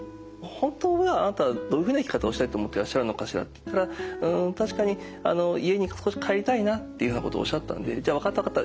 「本当はあなたはどういうふうな生き方をしたいと思っていらっしゃるのかしら？」って言ったら「うん確かに家に帰りたいな」っていうふうなことをおっしゃったんで「じゃあ分かった分かった。